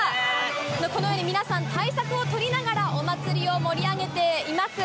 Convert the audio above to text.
このように皆さん、対策を取りながら、お祭りを盛り上げています。